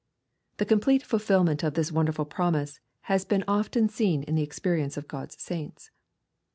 The complete fulfilment of this wonderful promise has been often seen in the experience of God's saints.